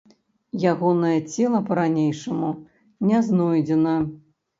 Ягонае цела па-ранейшаму не знойдзена.